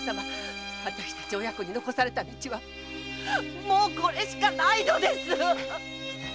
私たち親子に残された道はもうこれしかないのです！